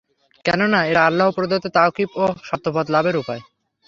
কেননা, এটা আল্লাহ প্রদত্ত তাওফীক ও সত্যপথ লাভের উপায়।